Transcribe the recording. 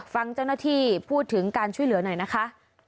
ฟังเจ้าหน้าที่พูดถึงการช่วยเหลือหน่อยนะคะ